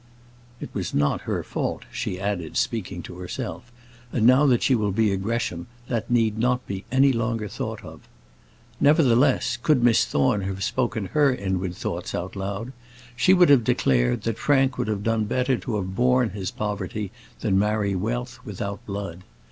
It was not her fault," she added, speaking to herself. "And now that she will be a Gresham, that need not be any longer thought of." Nevertheless, could Miss Thorne have spoken her inward thoughts out loud, she would have declared, that Frank would have done better to have borne his poverty than marry wealth without blood.